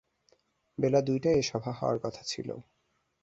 বেলা দুইটায় এ সভা হওয়ার কথা ছিল।